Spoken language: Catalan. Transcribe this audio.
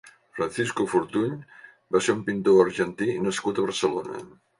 Francisco Fortuny va ser un pintor argentí nascut a Barcelona.